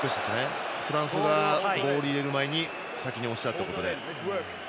フランスがボールを入れる前に先に押したということで。